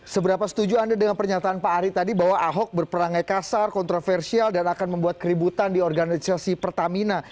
seberapa setuju anda dengan pernyataan pak ari tadi bahwa ahok berperangai kasar kontroversial dan akan membuat keributan di organisasi pertamina